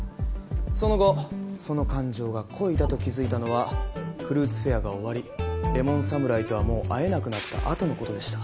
その後その感情が恋だと気づいたのはフルーツフェアが終わりレモン侍とはもう会えなくなった後のことでした。